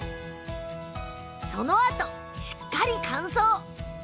そのあと、しっかりと乾燥。